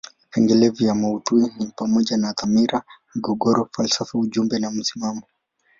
Vipengele vya maudhui ni pamoja na dhamira, migogoro, falsafa ujumbe na msimamo.